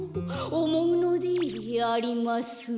「おもうのでありますうう」